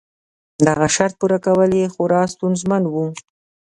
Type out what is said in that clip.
دغه شرط پوره کول یې خورا ستونزمن و.